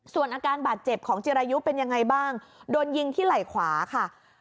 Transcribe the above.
ส่วนอาการบาดเจ็บของจิรายุเป็นยังไงบ้างโดนยิงที่ไหล่ขวาค่ะ